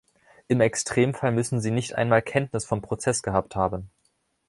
Im Extremfall müssen sie nicht einmal Kenntnis vom Prozess gehabt haben.